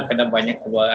kadang banyak keluarga